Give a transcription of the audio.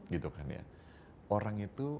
gitu kan ya orang itu